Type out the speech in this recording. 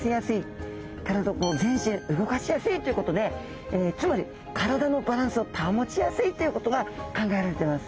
体全身動かしやすいということでつまり体のバランスを保ちやすいっていうことが考えられてます。